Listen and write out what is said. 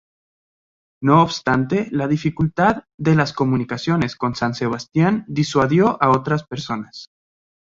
No obstante, la dificultad de las comunicaciones con San Sebastián disuadió a otras personas.